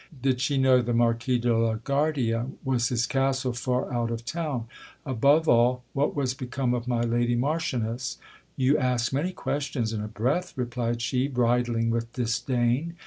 Did she know the Mar quis de la Guardia ? Was his castle far out of town ? Above all, what was become of my lady marchioness ? You ask many questions in a breath, re plied she, bridling with disdain.